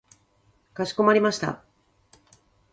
かしこまりました。